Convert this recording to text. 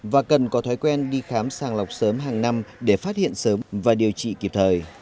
và cần có thói quen đi khám sàng lọc sớm hàng năm để phát hiện sớm và điều trị kịp thời